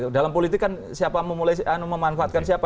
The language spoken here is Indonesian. dalam politik kan siapa memanfaatkan siapa